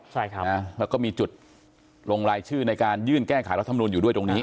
ใช่ครับนะแล้วก็มีจุดลงรายชื่อในการยื่นแก้ไขรัฐมนุนอยู่ด้วยตรงนี้